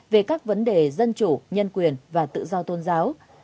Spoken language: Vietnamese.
về các vấn đề dân chủ nhân quyền và tự do tôn giáo